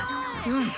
うん。